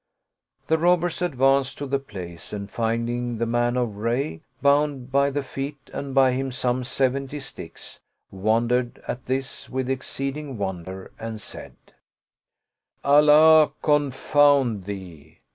The robbers advanced to the place and finding the man of Rajry bound by the feet and by him some seventy sticks, wondered at this with exceeding won der and said, " Allah confound thee